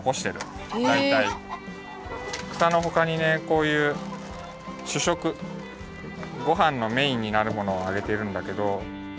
くさのほかにねこういうしゅしょくごはんのメインになるものをあげているんだけど。